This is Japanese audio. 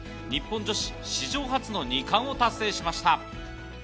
日本女子史上初の２冠を達成しました。